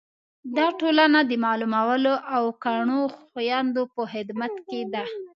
دا ټولنه د معلولو او کڼو خویندو په خدمت کې ده.